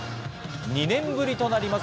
２年ぶりとなります